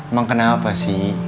emang kenapa sih